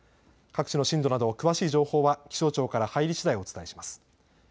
各地の震度など詳しい情報は気象庁から入りしだいお伝えします。